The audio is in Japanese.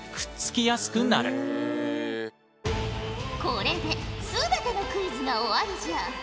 これで全てのクイズが終わりじゃ。